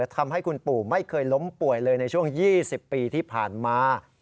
ทำให้คุณปู่ไม่เคยล้มป่วยเลยในช่วง๒๐ปีที่ผ่านมา